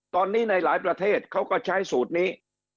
ตอนนี้ในหลายประเทศเขาก็ใช้สูตรนี้